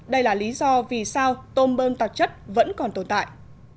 đây là lý do vì sao tôm tạp chất vẫn còn tồn tại